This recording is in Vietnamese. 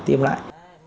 phải tiêm lại